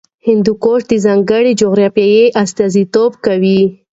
هندوکش د ځانګړې جغرافیې استازیتوب کوي.